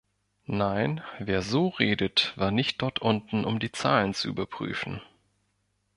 Nein, wer so redet, war nicht dort unten, um die Zahlen zu überpüfen.